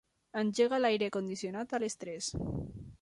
Engega l'aire condicionat a les tres.